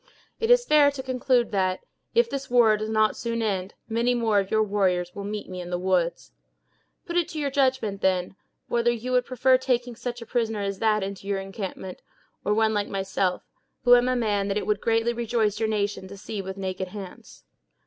It is fair to conclude that, if this war does not soon end, many more of your warriors will meet me in the woods. Put it to your judgment, then, whether you would prefer taking such a prisoner as that into your encampment, or one like myself, who am a man that it would greatly rejoice your nation to see with naked hands."